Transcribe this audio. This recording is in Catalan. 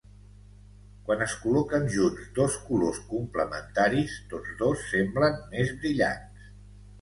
Quan es col·loquen junts dos colors complementaris, tots dos semblen més brillants.